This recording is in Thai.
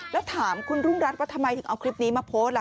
แล้วถามคุณรุ่งรัฐว่าทำไมถึงเอาคลิปนี้มาโพสต์ล่ะ